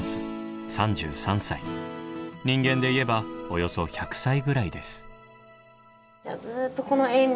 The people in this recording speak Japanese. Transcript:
人間で言えばおよそ１００歳ぐらいです。